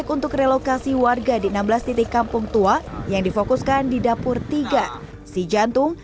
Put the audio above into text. untuk relokasi warga di enam belas titik kampung tua yang difokuskan di dapur tiga si jantung